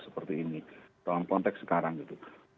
seperti ini dalam konteks sekarang gitu